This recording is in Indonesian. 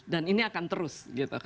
dan ini akan terus